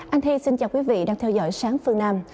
anh thi xin chào quý vị đang theo dõi sáng phương nam